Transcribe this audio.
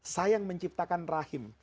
saya yang menciptakan rahim